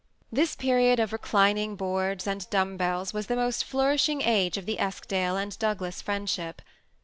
This period of reclining boards and dumb bells was the most flourishing age of the Eskdale and Douglas friendship.